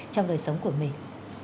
trong đời sống của mình